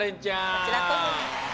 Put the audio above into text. こちらこそです。